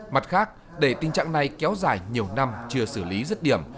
mặt khác để tình trạng này kéo dài nhiều năm chưa xử lý rất điểm